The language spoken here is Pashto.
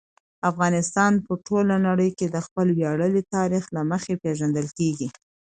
افغانستان په ټوله نړۍ کې د خپل ویاړلي تاریخ له مخې پېژندل کېږي.